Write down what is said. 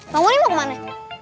bang boni mau kemana